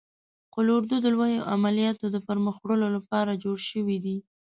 قول اردو د لوی عملیاتو د پرمخ وړلو لپاره جوړ شوی دی.